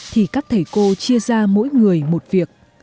thì các thầy cô chia ra mỗi người một việc